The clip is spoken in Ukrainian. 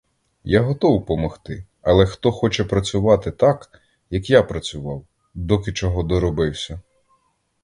Я готов помогти, але хто хоче працювати так, як я працював, доки чого доробився.